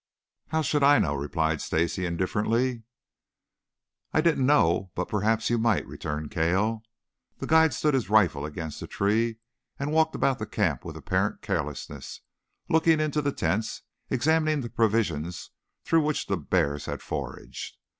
"How should I know?" replied Stacy indifferently. "I didn't know but perhaps you might," returned Cale. The guide stood his rifle against a tree and walked about the camp with apparent carelessness, looking into the tents, examining the provisions through which the bears had foraged.